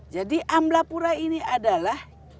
jadi amblapura ini adalah